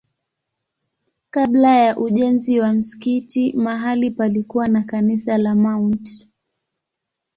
Kabla ya ujenzi wa msikiti mahali palikuwa na kanisa la Mt.